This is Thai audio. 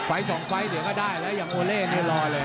สองไฟล์เดี๋ยวก็ได้แล้วอย่างโอเล่นี่รอเลย